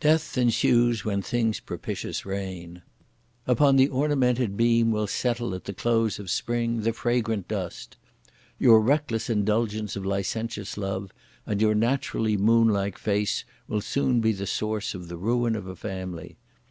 Death ensues when things propitious reign! Upon the ornamented beam will settle at the close of spring the fragrant dust! Your reckless indulgence of licentious love and your naturally moonlike face will soon be the source of the ruin of a family.